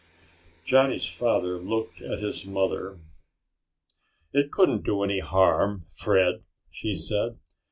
Johnny's father looked at his mother. "It couldn't do any harm, Fred," she said.